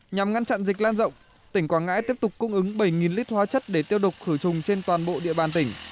nhằm ngăn chặn dịch lan rộng tỉnh quảng ngãi tiếp tục cung ứng bảy lít hóa chất để tiêu độc khử trùng trên toàn bộ địa bàn tỉnh